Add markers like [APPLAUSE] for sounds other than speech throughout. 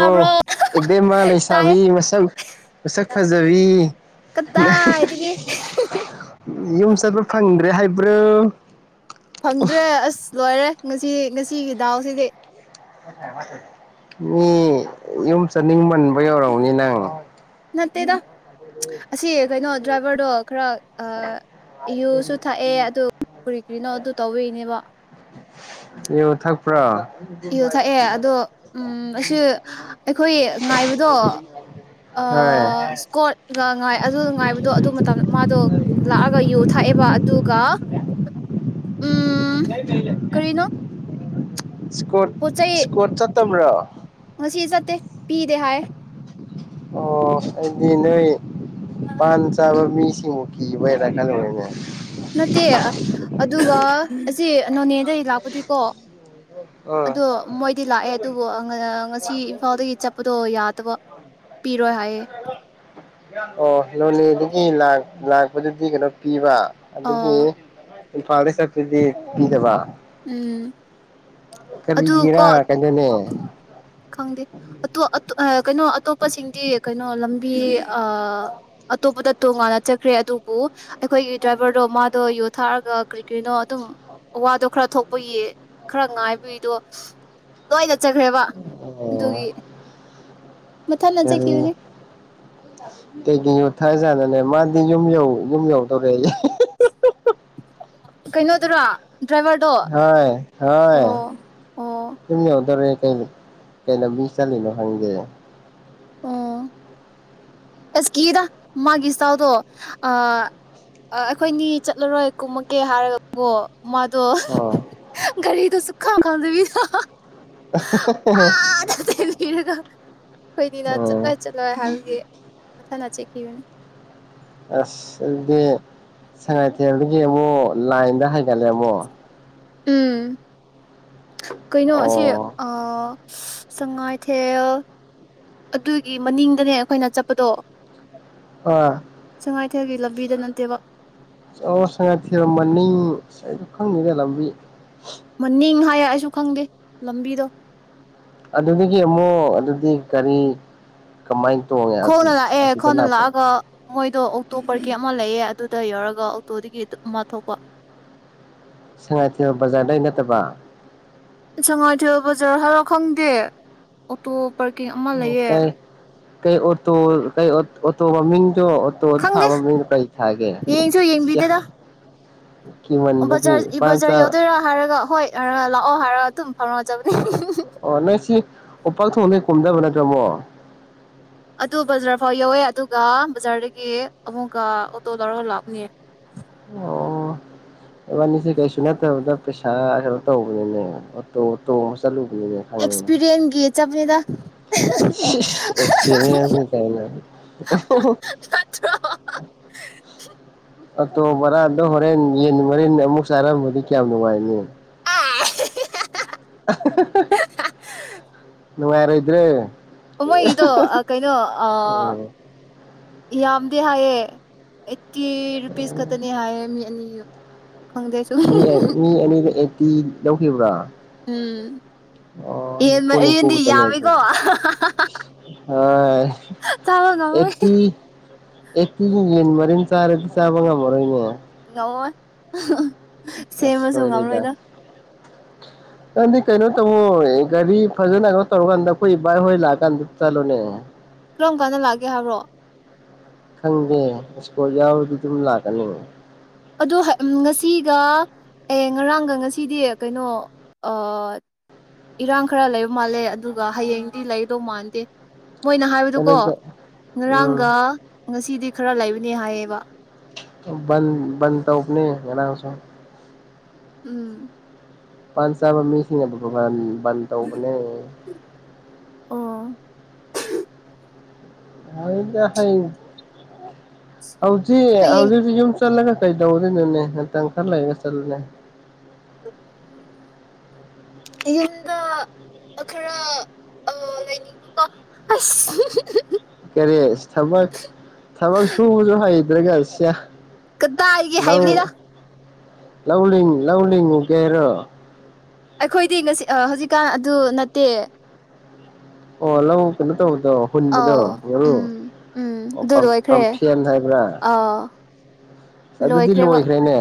ꯑꯣ ꯏꯕꯦꯝꯃꯥ ꯇꯥꯏ ꯂꯩꯁꯥꯕꯤ ꯃꯁꯛ ꯃꯁꯛ ꯐꯖꯕꯤ ꯀꯗꯥꯏꯗꯒꯤ ꯌꯨꯝ ꯆꯠꯄ ꯐꯪꯗ꯭ꯔꯦ ꯍꯥꯏꯕ ꯕ꯭ꯔꯨ ꯐꯪꯗ꯭ꯔꯦ ꯑꯁ ꯂꯣꯏꯔꯦ ꯉꯁꯤ ꯉꯁꯤ ꯁꯤꯒꯤ ꯗꯥꯎ ꯁꯤꯗꯤ ꯃꯤ ꯌꯨꯝ ꯆꯠꯅꯤꯡꯃꯟ ꯕꯩ ꯑꯣꯏꯔꯥꯝꯒꯅꯤ ꯅꯪ ꯑꯠꯇꯇꯩꯗ ꯑꯁꯤ ꯀꯩꯅꯣ ꯗ꯭ꯔꯥꯏꯚꯔꯗꯣ ꯈꯔ ꯑ ꯌꯨꯁꯨ ꯊꯛꯑꯦ ꯑꯗꯨ ꯀꯔꯤ ꯀꯔꯤꯅꯣ ꯑꯗꯨ ꯇꯧꯕꯩꯅꯤꯕꯥ ꯌꯨ ꯊꯥꯛꯄ꯭ꯔꯥ ꯌꯨ ꯊꯛꯑꯦ ꯑꯗꯣ ꯎ ꯑꯁꯤ ꯑꯩꯈꯣꯏ ꯉꯥꯏꯕꯗꯣ ꯍꯣꯏ ꯑꯥ ꯏꯁꯀꯣꯠꯀ ꯉꯥꯏ ꯑꯗꯨ ꯉꯥꯏꯕꯗꯣ ꯑꯗꯨ ꯃꯇꯝꯗ ꯃꯥꯗꯣ ꯂꯥꯛꯑꯒ ꯌꯨ ꯊꯥꯛꯑꯦꯕ ꯑꯗꯨꯒ ꯎꯝ ꯀꯥꯏ ꯄꯂ ꯀꯔꯤꯅꯣ ꯏꯁ꯭ꯀꯣꯔꯠ ꯄꯣꯠ ꯆꯩ ꯏꯁ꯭ꯀꯣꯔꯠ ꯆꯠ ꯇꯝꯕꯔꯣ ꯉꯁꯤ ꯆꯠꯇꯦ ꯄꯤꯗꯦ ꯍꯥꯏ ꯑꯣ ꯑꯩꯗꯤ ꯅꯣꯏ ꯄꯥꯟ ꯆꯥꯕ ꯃꯤꯁꯤꯡꯕꯨ ꯀꯤꯕꯩꯔ ꯈꯜꯂꯨꯔꯦꯅꯦ ꯅꯠꯇꯦ ꯑꯗꯨꯒ ꯑꯁꯤ ꯅꯣꯅꯦꯗ ꯑꯩ ꯂꯥꯛꯄꯗꯤꯀꯣ ꯑ ꯑꯗꯣ ꯃꯣꯏꯗꯤ ꯂꯥꯛꯑꯦ ꯑꯗꯨꯕꯨ ꯉꯁꯤ ꯏꯝꯐꯥꯜꯗꯒꯤ ꯆꯠꯄꯗꯣ ꯌꯥꯗꯕ ꯄꯤꯔꯣꯏ ꯍꯥꯏꯌꯦ ꯑꯣ ꯂꯣꯅꯦꯗꯒꯤ ꯂꯥꯛꯄꯗꯨꯗꯤ ꯀꯩꯅꯣ ꯄꯤꯕ ꯑꯣ ꯑꯗꯨꯗꯤ ꯏꯝꯐꯥꯜꯗꯩꯩ ꯆꯠꯄꯗꯤ ꯄꯤꯗꯕ ꯎꯝ ꯑꯗꯨꯀꯣ ꯀꯔꯤꯒꯤꯔꯥ ꯀꯩꯅꯣꯅꯦ ꯈꯪꯗꯦ ꯀꯩꯅꯣ ꯑꯇꯣꯞꯄꯁꯤꯡꯗꯤ ꯀꯩꯅꯣ ꯂꯝꯕꯤ ꯑꯇꯣꯞꯄꯗ ꯇꯣꯉꯥꯟꯅ ꯆꯠꯈ꯭ꯔꯦ ꯑꯗꯨꯕꯨ ꯑꯩꯈꯣꯏꯒꯤ ꯗ꯭ꯔꯥꯏꯕꯔꯗꯣ ꯃꯗꯣ ꯌꯨꯊꯛꯑꯒ ꯀꯔꯤ ꯀꯔꯤꯅꯣ ꯑꯗꯨꯝ ꯋꯥꯗꯣ ꯈꯔ ꯊꯣꯛꯄꯒꯤ ꯈꯔ ꯉꯥꯏꯕꯏꯗꯣ ꯂꯣꯏꯗ ꯆꯠꯆꯈ꯭ꯔꯦꯕ ꯑꯣ ꯑꯗꯨꯒꯤ ꯃꯊꯟꯅ ꯀꯔꯤ ꯆꯠꯈꯤꯕꯅꯤ ꯀꯩꯒꯤꯅꯣ ꯊꯥꯖꯟꯅꯦ ꯃꯥꯗꯤ ꯌꯨꯝ ꯌꯧ ꯌꯨꯝ ꯌꯧꯗꯧꯔꯦꯌꯦ ꯀꯩꯅꯣꯗꯨꯔꯣ ꯍ ꯍꯣꯏ ꯑꯣ ꯑꯣ ꯌꯨꯝ ꯌꯧꯗꯨꯔꯦ ꯀ ꯀꯩ ꯂꯝꯕꯤ ꯆꯠꯂꯤꯅꯣ ꯍꯪꯒꯦ ꯑꯣ ꯑꯁ ꯀꯤꯗ ꯃꯥꯒꯤ ꯏꯁꯇꯜꯗꯣ ꯑ ꯑꯩꯈꯣꯏꯅꯤ ꯆꯠꯂꯔꯣꯏ ꯀꯨꯝꯃꯒꯦ ꯍꯥꯏꯔꯒꯀꯣ ꯃꯗꯨ ꯑꯣ ꯒꯔꯤꯗꯨ ꯑ ꯈꯥ ꯈꯪꯗꯕꯤꯗ ꯑꯥꯗ ꯑꯩꯈꯣꯏꯅꯤꯅ ꯎꯝ ꯆꯠꯂꯣꯏ ꯆꯠꯂꯣꯏ ꯍꯥꯏꯕꯒꯤ ꯃꯊꯟꯅ ꯆꯤꯛꯈꯤꯕꯅꯦ ꯑꯁ ꯑꯗꯨꯗꯤ ꯁꯉꯥꯏꯊꯦꯜꯗꯒꯤ ꯑꯃꯨꯛ ꯂꯥꯏꯟꯗ ꯍꯥꯏꯒꯠꯂꯦ ꯑꯃꯨꯛ ꯎꯝ ꯀꯩꯅꯣ ꯑꯁꯤ ꯑꯣ ꯁꯉꯥꯏꯊꯦꯜ ꯑꯗꯨꯒꯤ ꯃꯅꯤꯡꯗꯅꯦ ꯑꯩꯈꯣꯏꯅ ꯆꯠꯄꯗꯣ ꯑꯥ ꯁꯉꯥꯏꯊꯦꯜꯒꯤ ꯂꯝꯕꯤꯗ ꯅꯠꯇꯦꯕ ꯑꯣ ꯁꯉꯥꯏꯊꯦꯜ ꯃꯅꯤꯡ ꯈꯪꯗꯦꯗ ꯂꯝꯕꯤ ꯃꯅꯤꯡ ꯍꯥꯏ ꯑꯩꯁꯨ ꯈꯪꯗꯦ ꯂꯝꯕꯤꯗꯣ ꯑꯗꯨꯗꯒꯤ ꯑꯃꯨꯛ ꯑꯗꯨꯗꯤ ꯀꯔꯤ ꯀꯃꯥꯏꯅ ꯇꯣꯡꯉꯦ ꯈꯣꯡꯅ ꯂꯥꯛꯑꯦ ꯑꯁꯤꯗ ꯈꯣꯡꯅ ꯂꯥꯛꯄ ꯂꯥꯛꯑꯒ ꯃꯣꯏ ꯑꯗꯣ ꯑꯣꯇꯣ ꯄꯔꯀꯤꯡ ꯑꯃ ꯂꯩꯑꯦ ꯑꯗꯨꯗ ꯌꯧꯔꯒ ꯑꯣꯇꯣꯗꯒꯤ ꯑꯃ ꯊꯣꯛꯄ ꯁꯉꯥꯏꯊꯦꯜ ꯕꯥꯖꯔꯗꯩꯩ ꯅꯠꯇꯕ ꯁꯉꯥꯏꯊꯦꯜ ꯕꯖꯥꯔ ꯍꯥꯏꯔꯣ ꯈꯪꯗꯦ ꯑꯣꯇꯣ ꯄꯥꯔꯀꯤꯡ ꯑꯃ ꯂꯩꯌꯦ ꯀꯩ ꯀꯩ ꯑꯣꯇꯣ ꯇꯣ ꯀꯩ ꯑꯣꯇꯣ ꯇꯣ ꯃꯃꯤꯡ ꯇꯣ ꯑꯣꯇꯣ ꯈꯪꯗꯦ ꯊꯥꯕ ꯃꯃꯤꯡꯗꯣ ꯀꯩ ꯊꯥꯒꯦ ꯌꯦꯡꯁꯨ ꯌꯦꯡꯕꯤꯗꯦꯗ ꯀꯤꯃꯟꯕꯒꯤ ꯕꯖꯥꯔ ꯕꯖꯥꯔ ꯄꯥꯟꯆꯥ ꯌꯧꯗꯣꯏꯔꯥ ꯍꯥꯏꯔꯒ ꯍꯣꯏ ꯑ ꯂꯥꯛꯑꯣ ꯍꯥꯏꯔꯑꯣ ꯑꯗꯨꯝ ꯐꯥꯎꯔꯛꯖꯕꯅꯦ ꯑꯣ ꯅꯣꯏꯁꯤ ꯎꯄꯥꯛ ꯊꯣꯡꯈ ꯀꯨꯝꯗꯕ ꯅꯠꯇ꯭ꯔꯃꯣ ꯑꯗꯨ ꯕꯖꯥꯔ ꯐꯥꯎ ꯌꯧꯋꯦ ꯑꯗꯨꯒ ꯕꯖꯥꯔꯗꯒꯤ ꯑꯃꯨꯛꯀ ꯑꯣꯇꯣ ꯂꯧꯔꯒ ꯂꯥꯛꯄꯅꯦ ꯑꯣ ꯏꯕꯥꯅꯤꯁꯦ ꯀꯩꯁꯨ ꯅꯠꯇꯕꯗ ꯄꯩꯁꯥ ꯈꯔ ꯇꯧꯕꯅꯤꯅꯦ ꯑꯣꯇꯣ ꯑꯣꯇꯣ ꯑꯃꯨ ꯆꯠꯂꯨꯕ ꯑꯦꯛꯁꯄꯤꯔꯤꯌꯦꯟꯁꯒꯤ ꯆꯠꯄꯅꯤꯗ [INAUDIBLE] ꯑꯦꯁꯄꯤꯔꯦꯟ ꯀꯥꯏꯅ ꯅꯠꯇ꯭ꯔꯣ ꯑꯣꯇꯣ ꯕꯔꯥꯗꯣ ꯍꯣꯔꯦꯟ ꯌꯦꯟ ꯃꯔꯤꯟ ꯑꯃꯨꯛ ꯆꯥꯔꯝꯕꯗꯤ ꯀꯌꯥꯝ ꯅꯨꯡꯉꯥꯏꯅꯤ ꯅꯨꯉꯥꯏꯔꯣꯏꯗ꯭ꯔꯥ ꯃꯣꯏꯒꯤꯗꯣ ꯀꯩꯅꯣ ꯑ ꯑꯣ ꯌꯥꯝꯗꯤ ꯍꯥꯏꯌꯦ ꯑꯩꯇꯤ ꯔꯨꯄꯤꯁ ꯈꯛꯇꯅꯤ ꯍꯥꯏꯌꯦ ꯃꯤ ꯑꯅꯤ ꯈꯪꯗꯦ ꯁꯨꯝ ꯃꯤ ꯃꯤ ꯑꯅꯤ ꯑꯩꯇꯤ ꯄꯤꯕ꯭ꯔꯥ ꯎꯝ ꯌꯦꯟ ꯅꯤꯐꯨ ꯅꯤꯐꯨ ꯌꯦꯟꯗꯤ ꯈꯛꯇꯅꯦ ꯑꯗꯨ ꯌꯥꯝꯃꯤꯀꯣ ꯑꯩꯠꯇꯤ ꯆꯥꯕ ꯉꯝꯃꯣꯏ ꯑꯩꯠꯇꯤ ꯌꯦꯟ ꯃꯔꯤꯟ ꯆꯥꯔꯗꯤ ꯆꯥꯕ ꯉꯝꯃꯔꯣꯏꯅꯦ ꯉꯝꯃꯣꯏ ꯑꯁ ꯁꯦꯝꯃꯁꯨꯨ ꯁꯣꯏꯔꯦꯗ ꯉꯝꯃꯣꯏꯗ ꯅꯪꯗꯤ ꯀꯩꯅꯣ ꯇꯧꯃꯣ ꯒꯥꯔꯤ ꯐꯖꯟꯅ ꯀꯩꯅꯣ ꯇꯧꯔꯀꯥꯟꯗ ꯑꯩꯈꯣꯏ ꯕꯥꯏ ꯍꯣꯏ ꯂꯥꯛꯑꯀꯥꯟꯗ ꯆꯠꯂꯣꯅꯦ ꯀꯔꯝ ꯀꯥꯟꯗ ꯂꯥꯛꯒꯦ ꯍꯥꯏꯕ꯭ꯔꯣ ꯈꯪꯗꯦ ꯏꯁꯀꯣꯔꯠ ꯌꯥꯎꯔꯗꯤ ꯑꯗꯨꯝ ꯂꯥꯛꯀꯅꯤ ꯑꯣ ꯉꯁꯤꯒ ꯑꯦ ꯉꯔꯥꯡꯒ ꯉꯁꯤꯗꯤ ꯀꯩꯅꯣ ꯏꯔꯥꯡ ꯈꯔ ꯂꯩꯕ ꯃꯥꯜꯂꯦ ꯑꯗꯨꯒ ꯍꯌꯦꯡꯗꯤ ꯂꯩꯒꯗꯧ ꯃꯥꯟꯗꯦ ꯃꯣꯏꯅ ꯍꯥꯏꯕꯗꯨꯀꯣ ꯀꯩꯅꯣꯗ ꯎꯝ ꯉꯔꯥꯡꯒ ꯉꯁꯤꯗꯤ ꯈꯔ ꯂꯩꯕ ꯅꯦ ꯍꯥꯏꯌꯦꯕ ꯕꯟ ꯕꯟ ꯇꯧꯕꯅꯤ ꯉꯔꯥꯡꯁꯨ ꯎꯝ ꯄꯥꯟ ꯆꯥꯕꯥ ꯃꯤꯁꯤꯡꯅꯥ ꯑꯗꯨ ꯕꯥꯕꯅꯤ ꯕꯟ ꯇꯧꯕꯅꯦ ꯑꯣ ꯍꯣꯏ ꯗ ꯍꯩꯟ ꯍꯧꯖꯤꯛ ꯍꯌꯦꯡ ꯍꯧꯖꯤꯛ ꯍꯧꯖꯤꯛ ꯌꯨꯝ ꯆꯠꯂꯒ ꯀꯩꯗꯧꯗꯣꯏꯅꯣꯅꯦ ꯃꯠꯃ ꯈꯔ ꯂꯩꯔꯒ ꯆꯠꯂꯨꯅꯦ [UNINTELLIGIBLE] ꯌꯨꯝꯗ ꯈꯔ ꯂꯩꯅꯤꯡꯕꯀꯣ ꯑꯁ ꯀꯔꯤ ꯊꯕꯛ ꯊꯕꯛ ꯁꯨꯕꯥꯥꯁꯨ ꯍꯧ ꯏꯗ꯭ꯔꯒꯁꯤ ꯀꯗꯥꯏꯒꯤ ꯍꯥꯏꯕꯅꯤꯗ ꯂꯧꯂꯤꯡ ꯂꯧ ꯂꯤꯉꯨ ꯀꯦꯔꯣ ꯑꯩꯈꯣꯏꯗꯤ ꯉꯁꯤ ꯑꯥ ꯍꯧꯖꯤꯛꯀꯥꯟ ꯑꯗꯨ ꯅꯠꯇꯦ ꯑꯣ ꯂꯩ ꯀꯩꯅꯣ ꯇꯧꯗꯣ ꯍꯨꯟꯕꯗꯣ ꯑꯥꯎ ꯃꯔꯨ ꯎꯝ ꯎꯝ ꯑꯣ ꯑꯗꯨ ꯂꯣꯏꯈ꯭ꯔꯦ ꯄꯝꯐꯦꯟ ꯍꯥꯏꯕ꯭ꯔꯥ ꯑꯥ ꯑꯗꯨꯗꯤ ꯂꯣꯏꯈ꯭ꯔꯦꯕ ꯂꯣꯏꯈ꯭ꯔꯦꯅꯦ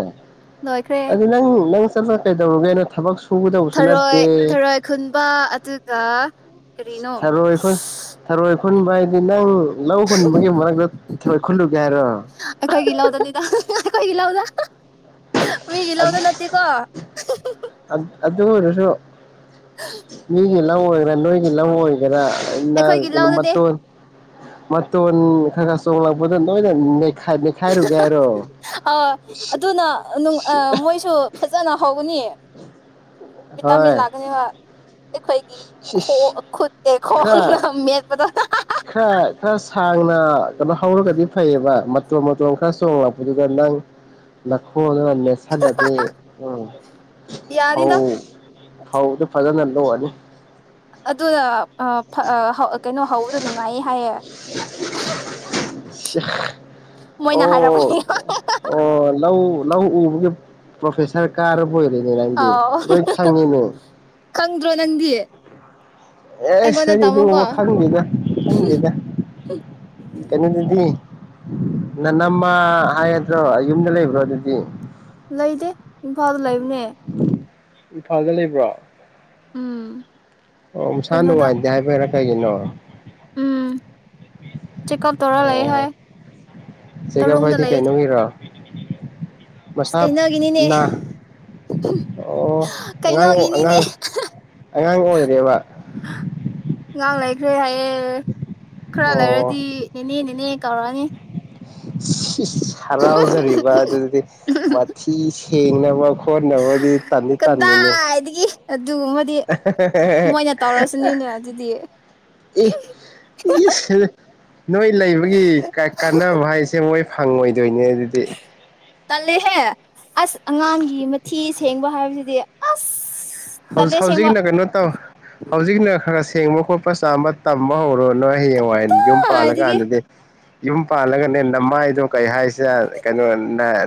ꯂꯣꯏꯈ꯭ꯔꯦ ꯑꯗꯨ ꯅꯡ ꯅꯡ ꯆꯠꯇꯠꯅ ꯀꯩꯗꯧꯔꯒꯦꯅ ꯊꯕꯛ ꯁꯨꯒꯗꯧꯕꯁꯨ ꯊꯔꯣꯏ ꯅꯠꯇꯦ ꯊꯔꯣꯏ ꯈꯨꯟꯕ ꯑꯗꯨꯒ ꯀꯔꯤꯅꯣ ꯈꯨꯟꯕꯍꯥꯏꯗꯤ ꯅꯡ ꯂꯧ ꯍꯨꯟꯕꯒꯤ ꯃꯔꯛꯇ ꯊꯣꯏ ꯈꯨꯨꯟꯂꯨꯒꯦ ꯍꯥꯏꯔꯣ ꯑꯩꯈꯣꯌꯒꯤ ꯂꯧꯗꯥ ꯃꯤꯒꯤ ꯑꯗꯨ ꯂꯧꯗ ꯅꯠꯇꯦꯀꯣ ꯑꯗꯨ ꯒꯤ ꯂꯧ ꯑꯣꯏꯒꯦꯔꯥ ꯅꯣꯏꯒꯤ ꯂꯧ ꯑꯣꯏꯒꯦꯔꯥ [UNINTELLIGIBLE] ꯑꯩꯈꯣꯏꯒꯤ ꯂꯧꯗꯅꯦ ꯃꯌꯣꯟ ꯈꯥꯔꯥꯈꯔꯥ ꯆꯤꯡ ꯂꯛꯄꯗꯣ ꯂꯣꯏꯅꯥ ꯅꯩ ꯈꯥ ꯅꯤꯈꯏꯔꯨꯒꯦꯔꯣ ꯑꯥ ꯑꯗꯨꯅ ꯑꯥ ꯃꯣꯏꯁꯨ ꯐꯖꯅ ꯍꯧꯒꯅꯤ ꯄ ꯇꯃꯤ ꯍꯣꯏ ꯂꯒꯅꯤ ꯕꯥ ꯈꯣꯡꯅ ꯈꯔ ꯃꯦꯠꯄꯗꯣ ꯈꯔ ꯈꯔ ꯁꯥꯡꯅ ꯍꯧꯔꯒꯗꯤ ꯐꯩꯌꯦꯕ ꯇꯣ ꯃꯇꯣ ꯈ ꯆꯣꯡꯂꯛꯄꯗꯨꯒꯥ ꯅꯡ ꯅꯈꯣꯜꯂꯩ ꯅꯦꯁꯥꯂꯗꯤ ꯎꯝ ꯐꯥꯎ ꯌꯥꯅꯤꯗ ꯐꯧꯗꯨ ꯐꯖꯅ ꯂꯣꯀꯑꯅꯤ ꯑꯗꯨꯅ ꯑꯥ ꯐꯥ ꯍꯥ ꯀꯩꯅꯣ ꯍꯧꯕꯗꯣ ꯅꯨꯡꯉꯥꯏ ꯍꯥꯏꯌꯦ [INAUDIBLE] ꯑꯣ ꯃꯣꯏꯅ ꯍꯥꯏꯔꯛꯄꯅꯦ ꯑꯣ ꯂꯧ ꯂꯧ ꯎꯕꯗꯨ [INAUDIBLE] ꯄ꯭ꯔꯣꯐꯦꯁꯔ ꯀꯥꯔꯕ ꯑꯣꯏꯔꯦꯅꯦ ꯅꯪꯗꯤ ꯑꯥꯎ ꯂꯣꯏ ꯈꯪꯉꯤꯅꯦ ꯈꯪꯗ꯭ꯔꯣ ꯅꯪꯗꯤ ꯑꯁ ꯑꯩꯉꯣꯟꯗ ꯑꯩꯗꯤ ꯇꯝꯃꯨꯀꯣ ꯑꯗꯨꯒꯝꯕ ꯈꯪꯗꯦꯗ ꯈꯪꯗꯦꯗ ꯀꯩꯅꯣꯗꯨꯗꯤ ꯅꯅꯝꯃꯥ ꯍꯥꯏꯒꯗ꯭ꯔꯣ ꯌꯨꯝꯗ ꯂꯩꯕ꯭ꯔꯣ ꯑꯗꯨꯗꯤ ꯂꯩꯗꯦ ꯏꯝꯐꯥꯜ ꯂꯩ ꯕꯅꯦ ꯏꯝꯐꯥꯜꯗ ꯂꯩꯕ꯭ꯔꯣ ꯎꯝ ꯎꯝ ꯅꯁꯥ ꯀꯩꯅꯣꯗ ꯅꯨꯡꯉꯥꯏꯇꯦ ꯍꯥꯏꯕꯩꯔ ꯀꯩꯒꯤꯅꯣ ꯎꯝ ꯆꯦꯛꯑꯞ ꯇꯧꯔ ꯂꯩ ꯑꯣ ꯍꯥꯏ ꯆꯦꯛꯀꯞ ꯇꯔꯨꯡꯗ ꯍꯥꯏꯗꯤ ꯀꯩꯅꯣꯒꯤꯔ ꯑ ꯀꯩꯅꯣꯒꯤꯅꯤꯅꯦ ꯅꯥ ꯑꯣ ꯑꯉꯥꯡ ꯀꯩꯅꯣꯒꯤꯅꯤꯅꯦ ꯑꯉꯥꯡ ꯑꯉꯥꯡ ꯑꯣꯏꯔꯦꯕ ꯉꯥꯡ ꯂꯩ ꯇꯔꯦ ꯑꯦ ꯈꯔ ꯑꯣ ꯂꯩꯔꯗꯤ ꯅꯦꯅꯦ ꯅꯦꯅꯦ ꯀꯧꯔꯛꯑꯅꯤ [UNINTELLIGIBLE] ꯍꯔꯥꯎꯖꯔꯤꯕ ꯑꯗꯨꯗꯤ ꯃꯊꯤ ꯁꯦꯡꯅꯕ ꯐꯣꯟ ꯅꯕꯗꯤ ꯇꯟ ꯇꯟꯅꯤꯅꯦ ꯀꯗꯥꯏꯗꯒꯤ ꯑꯗꯨꯒꯨꯝꯕꯗꯤ ꯃꯣꯏꯅ ꯇꯧꯔꯁꯨꯅꯤꯅ ꯑꯗꯨꯗꯤ ꯏ ꯏꯁ ꯅꯣꯏ ꯂꯩꯕꯒꯤ ꯀꯥꯟꯅꯕ ꯍꯥꯏꯁꯦ ꯃꯣꯏ ꯐꯪꯉꯣꯏ ꯗꯨꯏꯅꯦꯗꯨꯗꯤ ꯇꯜꯂꯦꯍꯦ ꯑꯁ ꯑꯉꯥꯡꯒꯤ ꯃꯊꯤ ꯁꯦꯡꯕ ꯍꯥꯏꯕꯁꯤꯗꯤ ꯑꯁ ꯖꯤ ꯇꯜꯂꯦ ꯑꯁꯦꯡꯕ ꯍꯧꯖꯤꯛꯅ ꯀꯩꯅꯣ ꯇꯧ ꯍꯧꯖꯤꯛꯅ ꯈꯔ ꯁꯦꯡꯕ ꯄꯣꯛꯄ ꯆꯝꯕ ꯇꯝꯃꯣ ꯔꯣꯅꯣꯏ ꯍꯌꯦꯡ ꯍꯥꯏꯅ ꯌꯨꯝ ꯄꯥꯜꯂ ꯀꯥꯏꯗꯒꯤ ꯀꯥꯟꯗꯗꯤ ꯌꯨꯝ ꯄꯥꯜꯂꯒꯅꯦ ꯅꯃꯥꯏꯗꯣ ꯀꯩ ꯍꯥꯏꯁꯤꯅ ꯀꯩꯅꯣ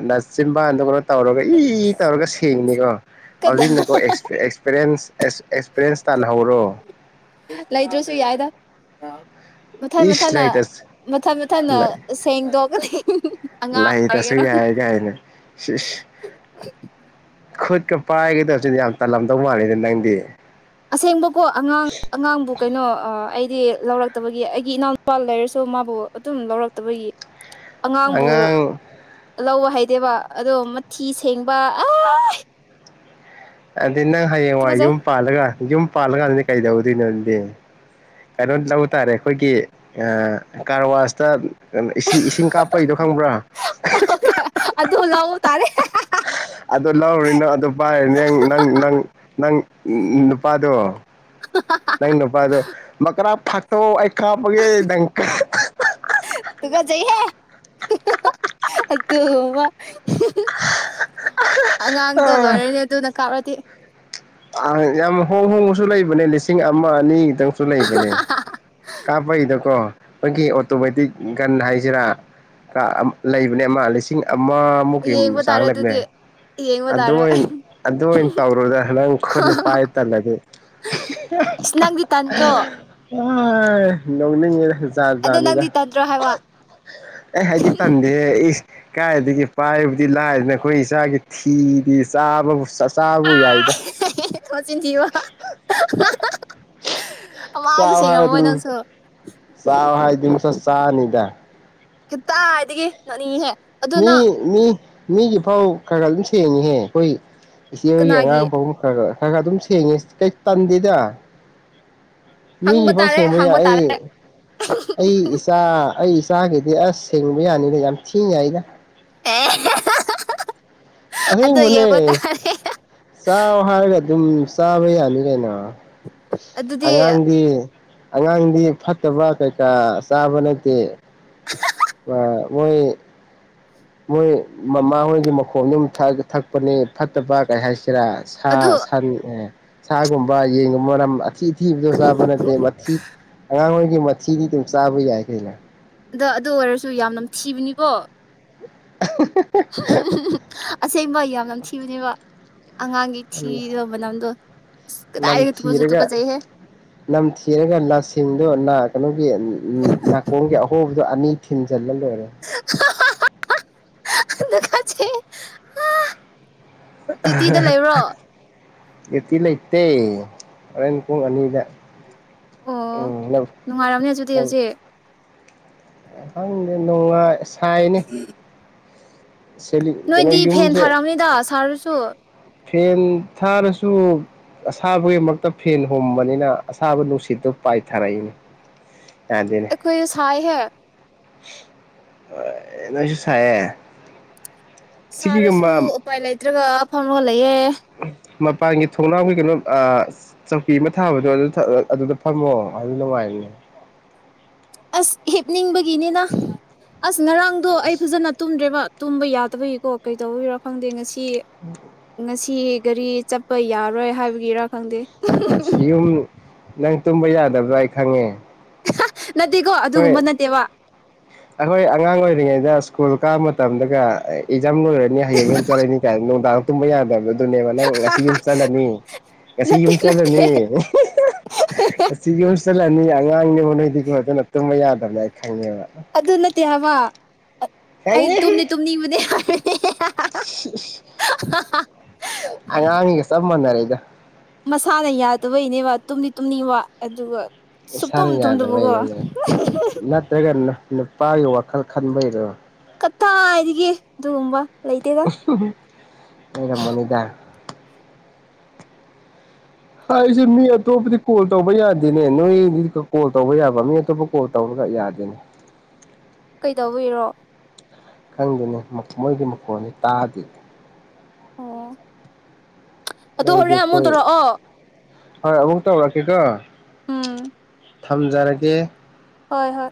ꯅꯆꯤꯟꯕꯗꯣ ꯇꯧꯔꯒ ꯏ ꯇꯧꯔꯒ ꯁꯦꯡꯉꯤꯅꯤꯀꯣ ꯍꯧꯖꯤꯛꯅꯀꯣ ꯑꯦꯛꯁ ꯑꯦꯛꯁꯄ꯭ꯤꯔꯦꯟ ꯇꯟ ꯂꯩ ꯂꯩꯗ꯭ꯔꯥꯁꯨ ꯌꯥꯏꯗ ꯃꯊꯪ ꯃꯊꯪ ꯏꯁ ꯂꯩꯇ ꯃꯊꯪ ꯃꯊꯪ ꯁꯦꯡꯗꯣꯛꯑꯒꯗꯤ ꯍ ꯂꯥꯏ ꯇꯁꯨ ꯌꯥ ꯀꯥꯏꯅ ꯀ ꯄꯥꯏꯒꯗꯧꯁꯤꯗꯤ ꯌꯥꯝ ꯇꯜꯂꯝꯗꯧ ꯃꯥꯜꯂꯤꯦꯗ ꯅꯪꯗꯤ ꯑꯁꯦꯡꯕꯀꯣ ꯑꯉꯥꯡ ꯑꯉꯥꯡꯕꯨ ꯀꯩꯅꯣ ꯑꯩꯗꯤ ꯂꯧꯔꯛꯇꯕꯒꯤ ꯑꯩꯒꯤ ꯏꯅꯥꯎꯅꯨꯄꯥ ꯂꯩꯔꯁꯨ ꯃꯥꯕꯨ ꯑꯗꯨꯝ ꯂꯧꯔꯛꯇꯕꯒꯤ ꯑꯉꯥꯡꯕꯨ ꯑꯉꯥꯡ ꯂꯧ ꯍꯥꯏ ꯗꯦꯕ ꯑꯗꯣ ꯃꯊꯤ ꯁꯦꯡꯕ ꯑ ꯑꯗꯗꯤ ꯅꯪ ꯍꯌꯦꯡꯋꯥꯏ ꯇꯨꯀꯠꯆꯩ ꯌꯨꯝ ꯄꯥꯜꯂꯒ ꯌꯨꯝ ꯄꯥꯜꯂꯀꯥꯟꯗꯗꯤ ꯀꯩꯗꯧꯗꯣꯏꯅꯣꯗꯤ ꯀꯩꯅꯣ ꯂꯧꯕ ꯇꯥꯔꯦ ꯑꯩꯈꯣꯏꯒꯤ ꯀꯔꯋꯥꯁꯇ ꯀꯩꯅꯣ ꯏꯁꯤꯡ ꯀꯥꯞꯄꯩꯗꯣ ꯈꯪꯕ꯭ꯔꯥ ꯑꯗꯨ ꯂꯧꯕ ꯇꯥꯔꯦ ꯑꯗꯨ ꯂꯧꯔꯤꯅꯣ ꯑꯗꯨ ꯄꯥꯏꯔ ꯅ ꯅꯪ ꯅꯪ ꯅꯪ ꯅꯨꯄꯥꯗꯣ ꯅꯪ ꯅꯨꯄꯥꯗꯣ ꯀꯔꯥ ꯐꯥꯛꯇꯣꯛꯑꯣ ꯀꯥꯄꯒꯦ ꯗꯪꯀ ꯑꯗꯨ ꯑꯉꯥꯡꯗꯣ ꯂꯣꯏꯔꯅꯦ ꯑꯗꯨꯅ ꯀꯥꯞꯔ ꯇ ꯑ ꯌꯥꯝ ꯍꯣꯡ ꯍꯣꯡꯕꯁꯨ ꯂꯩꯕꯅꯦ ꯂꯤꯁꯤꯡ ꯑꯃ ꯑꯅꯤ ꯈꯤꯇꯪꯁꯨ ꯂꯩꯕꯅꯦ ꯀꯥꯄꯩꯗ ꯀꯣ ꯑꯩꯣꯏꯒꯤ ꯑꯣꯇꯣꯃꯦꯇꯤꯛ ꯒꯟ ꯍꯥꯏꯁꯤꯔꯥ ꯂꯩꯕꯅꯦ ꯑꯃ ꯂꯤꯁꯤꯡ ꯑꯃꯃꯨꯛꯀꯤ ꯌꯦꯡꯕ ꯆꯥꯡ ꯇꯥꯔꯦ ꯂꯩꯃꯦ ꯑꯗꯨꯗꯤ ꯌꯦꯡꯕ ꯑꯗꯨ ꯇꯥꯔꯦ ꯑꯗꯨ ꯑꯣꯏꯅ ꯇꯧꯔꯨꯗ ꯅꯪ ꯈꯨꯠꯅ ꯄꯥꯏ ꯇꯜꯂꯗꯤ ꯏꯁ ꯅꯪꯗꯤ ꯇꯟꯗ꯭ꯔꯣ ꯑ ꯅꯣꯡꯅꯦ ꯑꯗꯣ ꯅꯪꯗꯤ ꯌꯥꯖꯅꯤꯗ ꯇꯟꯗ꯭ꯔꯣ ꯍꯥꯏꯕ ꯑꯦ ꯍꯥꯏꯗꯤ ꯇꯥꯟꯗꯦꯦ ꯏ ꯀꯥꯏꯗꯒꯤ ꯄꯥꯏꯕꯨꯗꯤ ꯂꯥꯏꯗꯅ ꯑꯩꯈꯣꯏ ꯏꯆꯥꯒꯤ ꯊꯤꯗꯤ ꯆꯥꯕꯕꯨ ꯆꯥꯕꯕꯨ ꯌꯥꯏꯗ ꯃꯆꯤꯟꯕ ꯑꯋꯥꯖ ꯆꯥꯎ ꯍꯥꯏꯔ ꯁꯦꯡꯉꯃ ꯃꯣꯏ ꯑꯗꯨꯝ ꯅꯪꯁꯨ ꯆꯥꯎ ꯍꯥꯏꯃꯤꯁ ꯆꯅꯤꯗ ꯀꯈꯤꯠꯇ ꯍꯥꯏꯗꯒꯤ ꯅꯅꯤꯍꯦ ꯃꯤ ꯃꯤ ꯃꯤꯒꯤ ꯐꯥꯎ ꯈꯔ ꯈꯔ ꯑꯗꯨꯝ ꯁꯦꯡꯉꯤꯍꯦ ꯑꯩꯈꯣꯏ ꯁꯤ ꯌꯧꯒꯤ ꯀꯅꯥꯒꯤ ꯑꯉꯥꯡ ꯐꯥꯎ ꯀ ꯈꯔ ꯈꯔ ꯑꯗꯨꯝ ꯁꯦꯡꯉꯤ ꯀꯩ ꯇꯟꯗꯦꯗ ꯍꯪꯕ ꯃꯤꯒꯤꯐꯥꯎ ꯇꯥꯔꯦ ꯁꯦꯡꯕ ꯌꯥꯏ ꯍꯪꯕ ꯑꯩ ꯇꯥꯔꯦ ꯑꯩ ꯏꯆꯥ ꯑꯩ ꯆꯥꯒꯤꯗꯤ ꯑꯁ ꯁꯦꯡꯕ ꯌꯥꯅꯤꯅ ꯌꯥꯝ ꯊꯤꯌꯥꯏꯅ ꯑꯦ [UNINTELLIGIBLE] ꯑꯗꯣ ꯑꯍꯤꯡꯕꯅꯦ ꯌꯦꯡꯕ ꯇꯥꯔꯦ ꯆꯥꯎ ꯍꯥꯏꯔ ꯗꯨꯝ ꯆꯥꯕ ꯌꯥꯅꯤ ꯀꯩꯅꯣ ꯑꯗꯨꯗꯤ ꯑꯉꯥꯡꯗꯤ ꯑꯉꯥꯡꯗꯤ ꯐꯠꯇꯕꯔ꯭ ꯀꯩꯀꯥ ꯆꯥꯕ ꯅꯠꯇꯦ ꯕꯥꯕ ꯃꯣꯏ ꯃꯣꯏ ꯃꯃꯥ ꯍꯣꯏꯒꯤ ꯃꯈꯣꯟꯗꯨꯝ ꯊꯛꯑꯒ ꯊꯛꯄꯅꯦ ꯐꯠꯇꯕ ꯀꯥꯏ ꯍꯥꯏꯁꯤ ꯔꯥ ꯁꯥ ꯑꯗꯨ ꯁꯟ ꯑꯦ ꯁꯥꯒꯨꯝꯕ ꯌꯦꯟꯒꯨꯝ ꯃꯔꯝ ꯑꯊꯤ ꯊꯤ ꯏ ꯗꯣ ꯆꯥꯕ ꯅꯠꯇꯦ ꯃꯊꯤ ꯑꯉꯥꯡꯑꯣꯏ ꯃꯤ ꯃꯊꯤꯗꯤ ꯗꯨꯝ ꯆꯥꯕ ꯌꯥꯏ ꯀꯩꯅꯣ ꯑꯗ ꯑꯗꯨ ꯑꯣꯏꯔꯁꯨ ꯌꯥꯝ ꯅꯝꯊꯤꯕꯅꯤꯀꯣ ꯑꯁꯦꯡꯕ ꯌꯥꯝ ꯅꯝ ꯊꯤꯕꯅꯦꯕ ꯑꯁ ꯀꯗꯥꯏꯗꯒꯤ ꯇꯨꯀꯠꯁꯨ ꯅꯝꯊꯤꯔꯒ ꯇꯨꯀꯠꯆꯩꯍꯦ ꯅꯝꯊꯤꯔꯒ ꯂꯁꯤꯡꯗꯣ ꯅ ꯀꯩꯅꯣꯒꯤ ꯅꯥꯀꯣꯡꯒꯤ ꯑꯍꯣꯕ ꯗꯣ ꯑꯅꯤ ꯊꯤꯟ ꯆꯜꯂ ꯂꯣꯔꯦ ꯑ ꯀꯁꯦ [UNINTELLIGIBLE] ꯑꯍ ꯗꯌꯨꯇꯤꯗ ꯂꯩꯕ꯭ꯔꯣ ꯌꯨꯇꯤ ꯂꯩꯇꯦ ꯍꯣꯔꯦꯟ ꯄꯨꯡ ꯑꯅꯤꯗ ꯑꯣ ꯎꯝ ꯂꯧ ꯅꯨꯡꯉꯥꯏꯔꯝꯅꯦ ꯑꯗꯨꯗꯤ ꯂꯧ ꯍꯧꯖꯤꯛ꯫ ꯈꯪꯗꯦ ꯅꯨꯡꯉꯥꯢ ꯑꯁ ꯈꯥꯏꯅꯤ ꯅꯣꯏꯗꯤ ꯐꯦꯟ ꯊꯥꯔꯝꯅꯤꯗ ꯁꯥꯔꯁꯨ ꯐꯦꯟ ꯊꯥꯔꯁꯨ ꯑꯁꯥꯕꯒꯤꯃꯛꯇ ꯐꯦꯟ ꯍꯨꯝꯕꯅꯤꯅ ꯑꯁꯥꯕ ꯅꯨꯡꯁꯤꯠꯇꯣ ꯄꯥꯏꯊꯔꯛꯏꯅꯦ ꯑꯩꯈꯣꯏꯁꯥꯏ ꯍꯦ꯫ ꯑ ꯑꯦ ꯅꯣꯏꯁꯨ ꯁꯥꯌꯦ꯫ ꯁꯥꯔꯁꯨ ꯎꯄꯥꯏ ꯂꯩꯥꯏꯇꯔ꯭ꯒꯕ ꯐꯝꯔ ꯂꯩ ꯑꯦꯌꯦ ꯃꯄꯥꯟꯒꯤ ꯊꯣꯡꯅꯥꯎꯒꯤ ꯀꯩꯅꯣ ꯆꯧꯀꯤ ꯑꯃ ꯊꯥꯕꯗꯣ ꯑꯗꯨ ꯑꯗꯨꯗ ꯐꯝꯃꯣ ꯑꯗꯨ ꯅꯨꯡꯉꯥꯏꯔꯅꯦ ꯑꯁ ꯍꯦꯞꯅꯤꯡꯕꯒꯤꯅꯤꯅ ꯑꯁ ꯉꯔꯥꯡꯗꯣ ꯑꯩ ꯐꯖꯅ ꯇꯨꯝꯗ꯭ꯔꯦꯕ ꯇꯨꯝꯕ ꯌꯥꯗꯕꯒꯤꯀꯣ ꯀꯩꯗꯧꯕꯤꯔꯣ ꯈꯪꯗꯦ ꯉꯁꯤ ꯁꯤ ꯉꯁꯤ ꯒꯥꯔꯤ ꯆꯠꯄ ꯌꯥꯔꯣꯏ ꯍꯥꯏꯕꯒꯤꯔꯥ ꯈꯪꯗꯦ ꯁꯤ ꯌꯨꯝ ꯅꯪ ꯇꯨꯝꯕ ꯌꯥꯗꯕ꯭ꯔꯥ ꯍꯥꯏ ꯈꯪꯉꯦ ꯅꯠꯇꯦꯀꯣ ꯍꯣꯏ ꯑꯗꯨꯒꯨꯝꯕ ꯅꯠꯇꯦꯕ ꯑꯩꯈꯣꯏ ꯑꯉꯥꯡ ꯑꯣꯏꯔꯤꯉꯩꯗ ꯁ꯭ꯀꯨꯜ ꯀꯥꯕ ꯃꯇꯝꯗꯒ ꯑꯦꯛꯖꯥꯝꯣꯏꯔꯅꯤ ꯍꯌꯦꯡ ꯌꯨꯝ ꯆꯔꯔꯤꯅꯤ ꯇꯥꯏꯝ ꯅꯨꯡꯗꯥꯡ ꯇꯨꯝꯃ ꯌꯥ ꯍꯥꯏꯒꯗꯤ ꯑꯗꯨꯅꯦꯕ ꯅꯪ ꯉꯁꯤ ꯌꯨꯝ ꯆꯠꯂꯅꯤ ꯉꯁꯤ ꯅꯠꯇꯦ ꯌꯨꯝ ꯅꯠꯇꯦ ꯆꯠꯂꯅꯤ ꯉꯁꯤ ꯌꯨꯝ ꯆꯠꯂꯅꯤ ꯑꯉꯥꯡꯅꯦꯕ ꯅꯣꯏꯗꯤ ꯍ ꯇꯨꯝꯕ ꯌꯥꯗꯕꯅꯦ ꯈꯪꯉꯦꯕ ꯑꯗꯨ ꯑꯗꯨ ꯅꯠꯇ ꯍꯥꯏꯋꯥ ꯑꯩꯗꯤ ꯈꯪꯉꯦꯍꯦ ꯇꯨꯝꯗꯤ ꯇꯨꯝꯅꯤꯡꯕꯗꯤ ꯌꯥꯦ ꯑꯉꯥꯡꯉꯒꯁ ꯃꯅꯔꯦ ꯏꯗ ꯃꯁꯥꯅ ꯌꯥꯗꯕꯩꯅꯦ ꯋꯥ ꯇꯨꯝꯅꯤ ꯇꯨꯝꯅꯤ ꯋꯥ ꯑꯗꯨꯒ ꯁꯨꯛꯇꯨꯝ ꯁꯥꯔ ꯇꯨꯝꯗꯕꯀꯣ ꯌꯥꯗ꯭ꯔꯕꯩꯅ ꯅꯠꯇ꯭ꯔꯒꯅꯅ ꯅꯨꯄꯥꯒꯤ ꯋꯥꯈꯜ ꯈꯟꯕꯩꯗꯣ ꯀꯇꯥ ꯍꯥꯏꯔꯤꯒꯦ ꯑꯗꯨꯒꯨꯝꯕ ꯂꯩꯇꯦꯗ ꯑꯣ ꯑꯩꯩꯅ ꯃꯅꯤꯗ ꯍꯥꯏꯁꯨꯦ ꯃꯤ ꯑꯇꯣꯞꯄꯗꯤ ꯀꯣꯜ ꯇꯧꯕ ꯌꯥꯗꯦꯅꯦ ꯅꯣꯏ ꯀꯣꯜ ꯇꯧꯕ ꯌꯥꯕ ꯃꯤ ꯑꯇꯣꯞꯄ ꯀꯣꯜ ꯇꯧꯔꯒ ꯌꯥꯗꯦꯅꯦ ꯀꯩꯗꯧꯕꯔꯣ ꯈꯪꯗꯅꯤ ꯃꯣꯏꯗꯤ ꯃꯈꯣꯟꯅꯤ ꯇꯥꯗꯦꯗꯤ ꯍ ꯑꯣ ꯅꯣꯏꯗꯤ ꯍꯣꯔꯦꯟ ꯑꯃꯨ ꯑꯩꯈꯣꯏ ꯇꯧꯔꯛꯑꯣ ꯍꯣꯏ ꯑꯃꯨꯛ ꯇꯧꯔꯁꯤꯗ ꯎꯝ ꯊꯝꯖꯔꯒꯦ ꯍꯣꯏ ꯍꯣꯏ